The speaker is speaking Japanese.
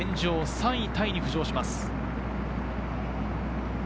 ３位タイに浮上します。